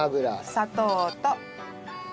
砂糖と。